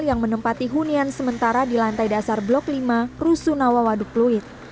yang menempati hunian sementara di lantai dasar blok lima rusunawa waduk pluit